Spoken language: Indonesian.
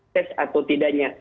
tes atau tidaknya